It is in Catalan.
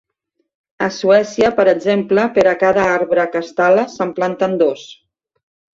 A Suècia, per exemple, per a cada arbre que es tala se'n planten dos.